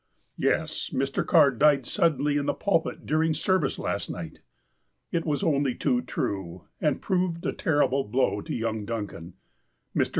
"Yes. Mr. Carr died suddenly in the pulpit during service last night." It was only too true, and proved a terrible blow to young Duncan. Mr.